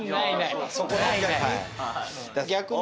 逆に？